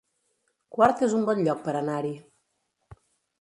Quart es un bon lloc per anar-hi